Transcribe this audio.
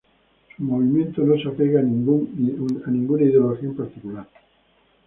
Su movimiento no se apega a ninguna ideología en particular.